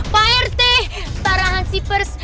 pak rt tarahan sipers